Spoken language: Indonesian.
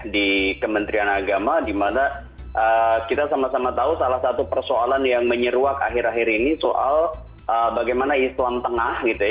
di kementerian agama di mana kita sama sama tahu salah satu persoalan yang menyeruak akhir akhir ini soal bagaimana islam tengah gitu ya